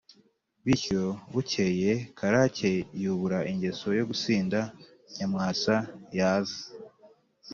bityo. Bukeye Karake yubura ingeso yo gusinda. Nyamwasa yaza